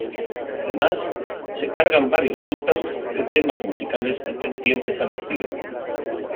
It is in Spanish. Además, se cargan varios samples de temas musicales pertenecientes al estilo.